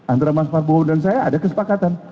antara mas fadbowo dan saya ada kesepakatan